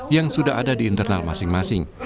yang sudah ada di internal masing masing